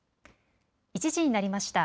１時になりました。